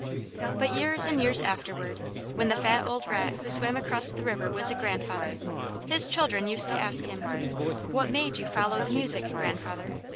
But years and years afterward, when the fat old rat who swam across the river was a grandfather, his children used to ask him, "What made you follow the music, Grandfather?"